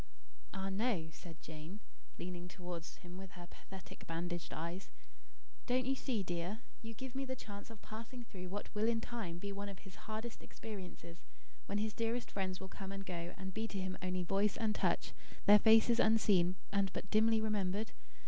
"Ah, no," said Jane, leaning towards him with her pathetic bandaged eyes. "Don't you see, dear, you give me the chance of passing through what will in time be one of his hardest experiences, when his dearest friends will come and go, and be to him only voice and touch; their faces unseen and but dimly remembered?